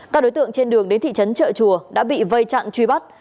các đối tượng trên đường đến thị trấn trợ chùa đã bị vây chặn truy bắt